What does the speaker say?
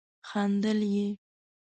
خندل يې.